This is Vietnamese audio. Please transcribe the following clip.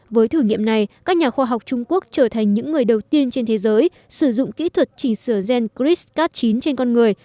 với thử nghiệm này các nhà khoa học trung quốc trở thành những người đầu tiên trên thế giới sử dụng kỹ thuật chỉnh sửa gen christat chín trên con người